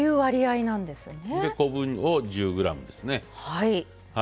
で、昆布を１０ｇですね。